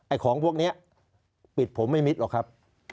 ของพวกนี้ปิดผมไม่มิดหรอกครับ